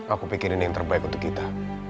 aku pikir ini yang terbaik untuk kita